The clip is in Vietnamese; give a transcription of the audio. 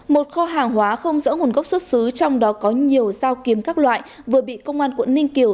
một kho hàng hóa không rõ nguồn gốc xuất xứ trong đó có nhiều dao kiếm các loại vừa bị công an quận ninh kiều